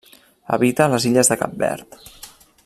Habita les illes de Cap Verd.